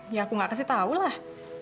ya aku gak kasih tahulah